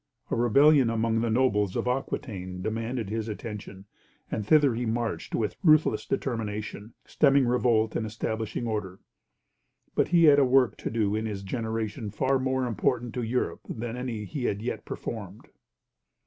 A rebellion among the nobles of Aquitaine demanded his attention; and thither he marched with ruthless determination, stemming revolt and establishing order. But he had a work to do in his generation far more important to Europe than any he had yet performed.